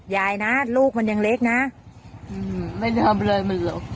ยายนะลูกมันยังเล็กนะไม่ได้ทำอะไรมันหรอก